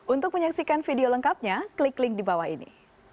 untuk menyaksikan video lengkapnya klik link di bawah ini